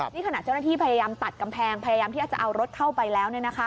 นี่ขณะเจ้าหน้าที่พยายามตัดกำแพงพยายามที่จะเอารถเข้าไปแล้ว